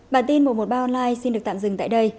bản tin một trăm một mươi ba online xin được tạm dừng tại đây